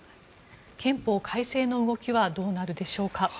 憲法改正の動きはどうなるでしょうか。